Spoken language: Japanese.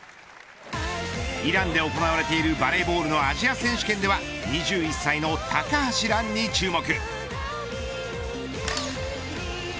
イランで行われているバレーボールのアジア選手権では２１歳高橋藍に注目。